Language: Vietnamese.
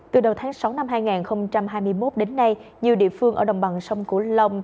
từ đầu tháng sáu năm hai nghìn hai mươi một đến nay nhiều địa phương ở đồng bằng sông cửu long